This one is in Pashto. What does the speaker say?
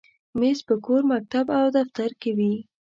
مېز په کور، مکتب، او دفتر کې وي.